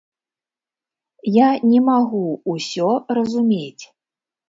Я не магу ўсё разумець.